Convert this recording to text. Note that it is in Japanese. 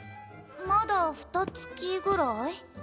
まだふた月ぐらい？